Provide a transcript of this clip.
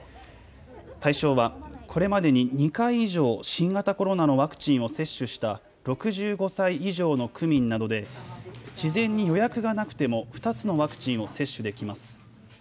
対象はこれまでに２回以上、新型コロナのワクチンを接種した６５歳以上の区民などで事前に予約がなくても２つのワクチンを接種できます。